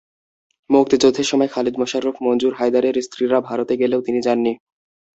মুক্তিযুদ্ধের সময় খালেদ মোশাররফ, মঞ্জুর, হায়দারের স্ত্রীরা ভারতে গেলেও তিনি যাননি।